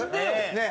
ねえ？